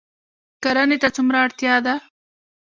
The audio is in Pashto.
کرنې ته څومره اړتیا ده؟